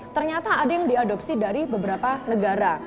ternyata ada yang diadopsi dari beberapa negara